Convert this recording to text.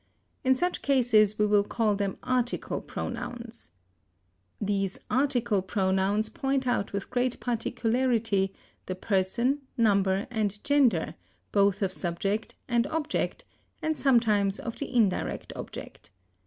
In such cases we will call them article pronouns. These article pronouns point out with great particularity the person, number, and gender, both of subject and object, and sometimes of the indirect object.